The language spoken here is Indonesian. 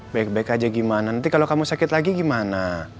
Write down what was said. baik baik aja gimana nanti kalau kamu sakit lagi gimana